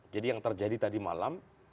jadi yang terjadi tadi malam